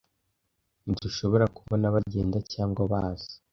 Ntidushobora kubona bagenda cyangwa baza: